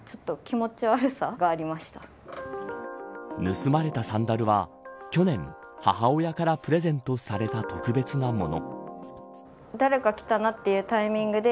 盗まれたサンダルは去年、母親からプレゼントされた特別なもの。